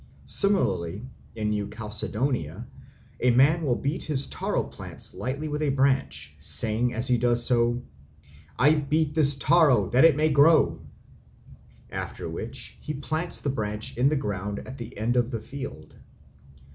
Similarly in New Caledonia a man will beat his taro plants lightly with a branch, saying as he does so, "I beat this taro that it may grow," after which he plants the branch in the ground at the end of the field.